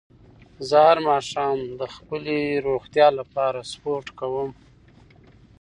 زه هر ماښام د خپلې روغتیا لپاره سپورت کووم